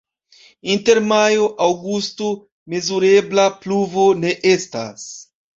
Inter majo-aŭgusto mezurebla pluvo ne estas.